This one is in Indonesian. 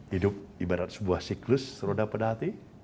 hidup ibarat sebuah siklus seroda peda hati